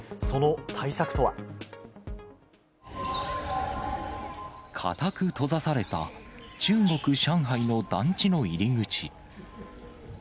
その対策とは。固く閉ざされた中国・上海の団地の入り口。